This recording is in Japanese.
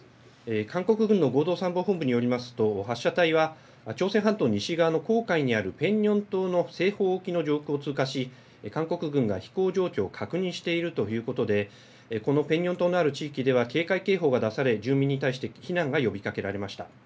韓国軍の合同参謀本部によりますと発射体は朝鮮半島西側の黄海にあるペンニョン島の西方沖の上空を通過し、韓国軍が飛行状況を確認しているということでこのペンニョン島のある地域では警戒警報が出され住民に対して避難が呼びかけられました。